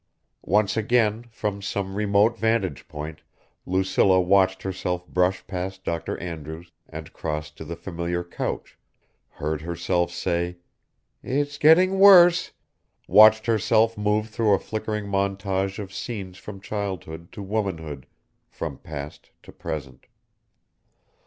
Once again, from some remote vantage point, Lucilla watched herself brush past Dr. Andrews and cross to the familiar couch, heard herself say, "It's getting worse," watched herself move through a flickering montage of scenes from childhood to womanhood, from past to present.